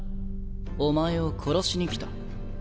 お前を殺しに来た。